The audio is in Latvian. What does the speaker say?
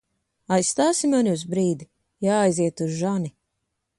Aizstāsi mani uz brīdi? Jāaiziet uz žani.